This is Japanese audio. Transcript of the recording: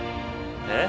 えっ？